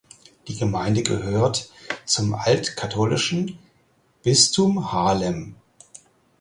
Die Gemeinde gehört zum altkatholischen Bistum Haarlem.